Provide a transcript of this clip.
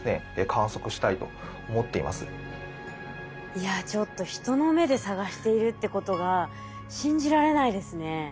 いやちょっと人の目で探しているってことが信じられないですね。